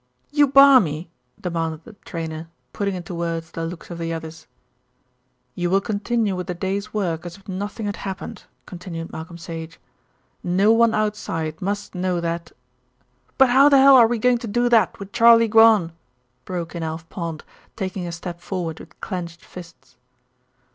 "You barmy?" demanded the trainer, putting into words the looks of the others. "You will continue with the day's work as if nothing had happened," continued Malcolm Sage. "No one outside must know that " "But how the hell are we going to do that with Charley gone?" broke in Alf Pond, taking a step forward with clenched fists.